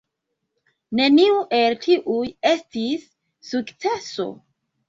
Neniu el tiuj estis sukceso.